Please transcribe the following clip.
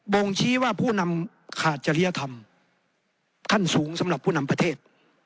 ่งชี้ว่าผู้นำขาดจริยธรรมขั้นสูงสำหรับผู้นำประเทศ